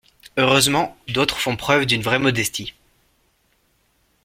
Heureusement, d'autres font preuve d'une vraie modestie.